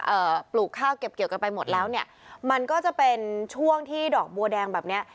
เอ่อปลูกข้าวเก็บเกี่ยวกันไปหมดแล้วเนี่ยมันก็จะเป็นช่วงที่ดอกบัวแดงแบบเนี้ย